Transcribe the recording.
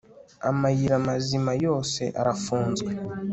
amayira mazima yose arafunzwe